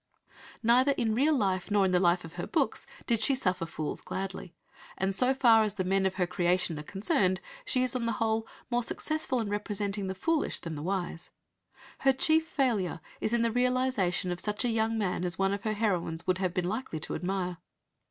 Neither in real life nor in the life of her books did she "suffer fools gladly," and so far as the men of her creation are concerned she is on the whole more successful in representing the foolish than the wise. Her chief failure is in the realization of such a young man as one of her heroines would have been likely to admire.